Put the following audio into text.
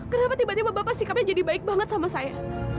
kenapa tiba tiba bapak sikapnya jadi baik banget sama saya